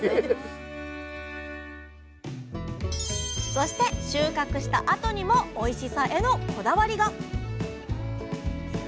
そして収穫したあとにもおいしさへのこだわりが！